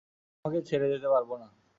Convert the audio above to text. তোমাকে ছেড়ে যেতে পারব না।